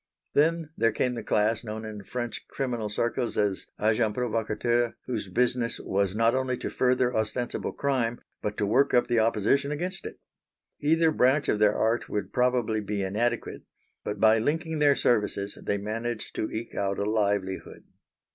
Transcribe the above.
Then there came the class known in French criminal circles as agents provocateurs, whose business was not only to further ostensible crime but to work up the opposition against it. Either branch of their art would probably be inadequate; but by linking their services they managed to eke out a livelihood.